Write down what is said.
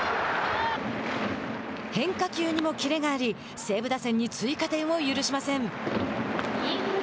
変化球にもキレがあり西武打線に追加点を許しません。